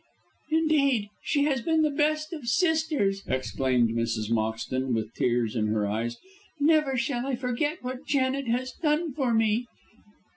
"Indeed, she has been the best of sisters," exclaimed Mrs. Moxton, with tears in her eyes. "Never shall I forget what Janet has done for me."